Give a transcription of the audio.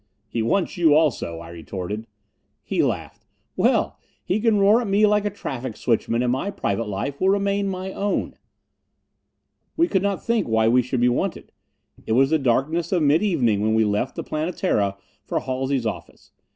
"He wants you, also," I retorted. He laughed. "Well, he can roar at me like a traffic switchman and my private life will remain my own." We could not think why we should be wanted. It was the darkness of mid evening when we left the Planetara for Halsey's office.